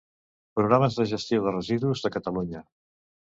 Programes de gestió de residus de Catalunya.